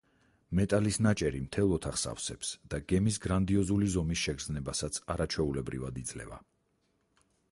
მეტალის ნაჭერი მთელ ოთახს ავსებს და გემის გრანდიოზული ზომის შეგრძნებასაც არაჩვეულებრივად იძლევა.